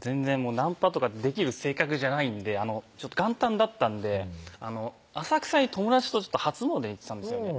全然ナンパとかできる性格じゃないんで元旦だったんで浅草に友達と初詣行ってたんですよね